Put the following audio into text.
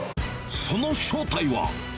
その正体は。